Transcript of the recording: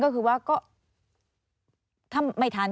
การเลือกตั้งครั้งนี้แน่